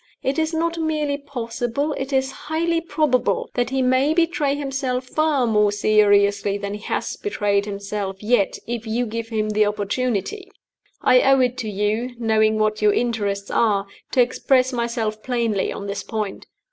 It is not merely possible, it is highly probable, that he may betray himself far more seriously than he has betrayed himself yet if you give him the opportunity. I owe it to you (knowing what your interests are) to express myself plainly on this point.